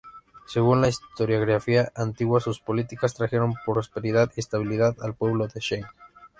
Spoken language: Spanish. Según la historiografía antigua, sus políticas trajeron prosperidad y estabilidad al pueblo de Zheng.